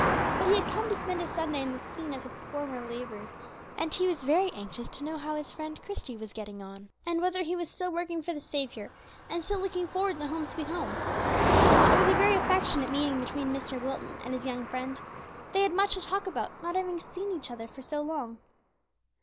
But he had come to spend a Sunday in the scene of his former labors, and he was very anxious to know how his friend Christie was getting on, and whether he was still working for the Saviour, and still looking forward to "Home, sweet Home." It was a very affectionate meeting between Mr. Wilton and his young friend. They had much to talk about, not having seen each other for so long.